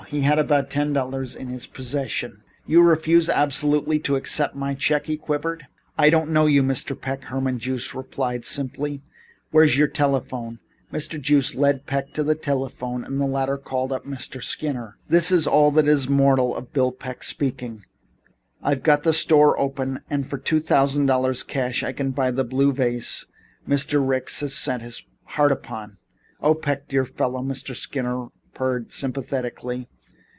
He had about ten dollars in his possession. "You refuse, absolutely, to accept my check?" he quavered. "I don't know you, Mr. Peck," Herman Joost replied simply. "Where's your telephone?" Mr. Joost led Peck to the telephone and the latter called up Mr. Skinner. "Mr. Skinner," he announced, "this is all that is mortal of Bill Peck speaking. I've got the store open and for two thousand dollars cash I can buy the blue vase Mr. Ricks has set his heart upon." "Oh, Peck, dear fellow," Mr. Skinner purred sympathetically.